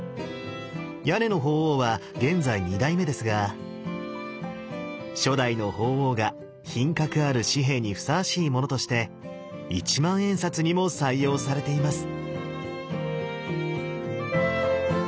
屋根の鳳凰は現在２代目ですが初代の鳳凰が品格ある紙幣にふさわしいものとして一万円札にも採用されています。